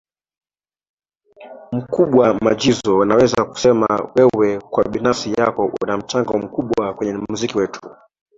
Mkubwa majizzo naweza kusema wewe kwa binafsi yako una mchango mkubwa kwenye muziki wetu